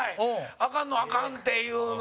アカンのをアカンっていうの。